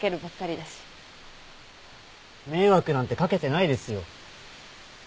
迷惑なんて掛けてないですよ。